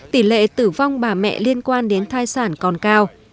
tỷ lệ tử vong bà mẹ liên quan đến thai sản còn cao